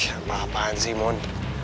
apaan sih mon